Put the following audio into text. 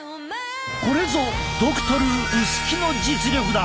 これぞドクトル薄木の実力だ。